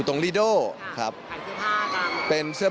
โดมเนี้ยบอกเลยว่าโอ้โห